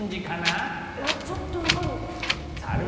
いやちょっと分かんない。